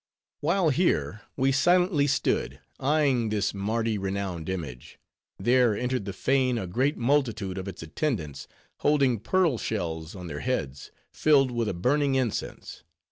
While here we silently stood eyeing this Mardi renowned image, there entered the fane a great multitude of its attendants, holding pearl shells on their heads, filled with a burning incense.